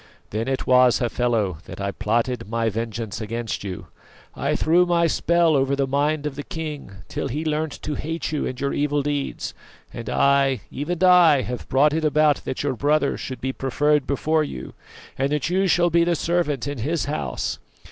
Then it was, Hafela, that I plotted vengeance against you. I threw my spell over the mind of the king, till he learnt to hate you and your evil deeds; and I, even I, have brought it about that your brother should be preferred before you, and that you shall be the servant in his house.